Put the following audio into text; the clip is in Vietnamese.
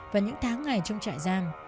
và những tháng ngày trong trại giang